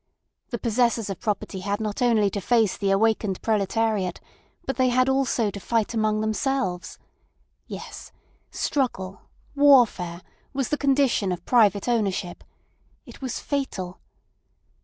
The possessors of property had not only to face the awakened proletariat, but they had also to fight amongst themselves. Yes. Struggle, warfare, was the condition of private ownership. It was fatal.